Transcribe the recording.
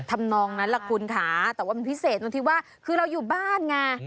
ทำนองนั้นล่ะคุณค่ะแต่ว่ามันพิเศษตรงที่ว่าคือเราอยู่บ้านไง